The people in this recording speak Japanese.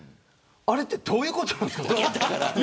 あれってどういうことなんですか。